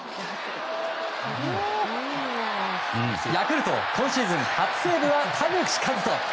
ヤクルト、今シーズン初セーブは田口麗斗。